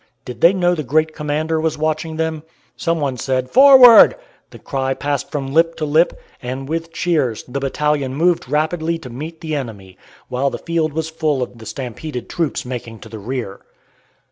Did they know the Great Commander was watching them? Some one said, "Forward!" The cry passed from lip to lip, and, with cheers, the battalion moved rapidly to meet the enemy, while the field was full of the stampeded troops making to the rear.